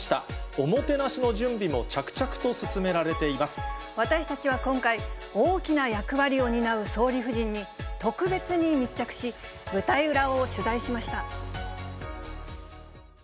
おもてなしの準備も着々と進めら私たちは今回、大きな役割を担う総理夫人に、特別に密着し、舞台裏を取材しました。